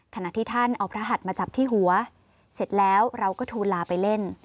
ขณะที่ท่านเอาพระหัดมาจับที่หัวเสร็จแล้วเราก็ทูลลาไปเล่น